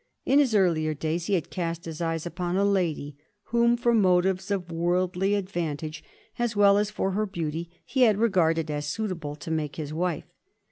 In his earlier days he had cast his eyes upon a lady, whom, for motives of worldly advantage as well as for her beauty, he had regarded as suitable to make his wife.